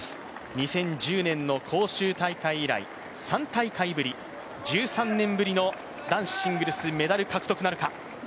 ２０１０年の広州大会以来、１３年ぶりの男子シングルス、メダル獲得となるか。